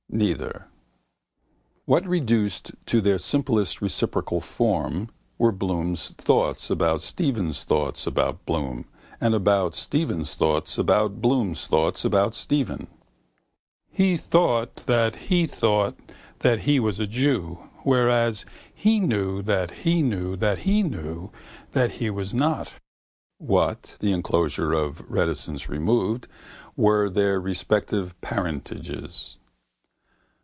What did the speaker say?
Neither. What, reduced to their simplest reciprocal form, were Bloom's thoughts about Stephen's thoughts about Bloom and about Stephen's thoughts about Bloom's thoughts about Stephen? He thought that he thought that he was a jew whereas he knew that he knew that he knew that he was not. What, the enclosures of reticence removed, were their respective parentages?